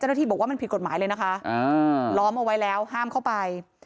บอกว่ามันผิดกฎหมายเลยนะคะล้อมเอาไว้แล้วห้ามเข้าไป